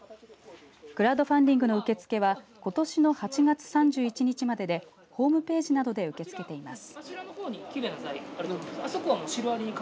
クラウドファンディングの受け付けはことしの８月３１日まででホームページなどで受け付けています。